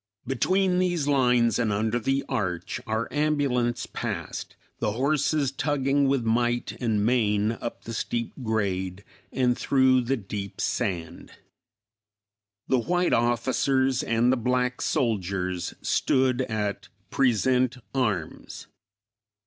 Between these lines and under the arch our ambulance passed; the horses tugging with might and main up the steep grade and through the deep sand. The white officers and the black soldiers stood at "Present Arms."